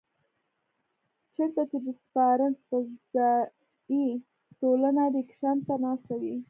چرته چې د رسپانس پۀ ځائے ټولنه رېکشن ته ناسته وي